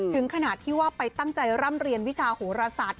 ถึงขนาดที่ว่าไปตั้งใจร่ำเรียนวิชาโหรศาสตร์